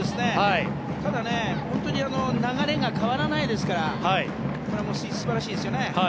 ただ、本当に流れが変わらないですからこれは素晴らしいですよね。